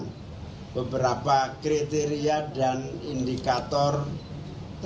tapi ibu efeknya melalui tempat berikutnya itu vibrations state